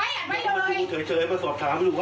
เราอัดคลิปอ่าอัดไว้อัดไว้เลยเฉยเฉยมาสอบถามไม่รู้ว่า